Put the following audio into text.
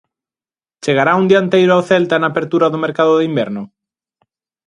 Chegará un dianteiro ao Celta na apertura do mercado de inverno?